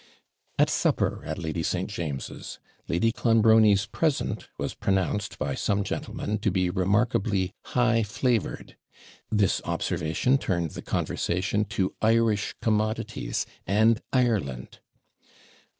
At supper at Lady St. James's, Lady Clonbrony's present was pronounced by some gentleman to be remarkably high flavoured. This observation turned the conversation to Irish commodities and Ireland.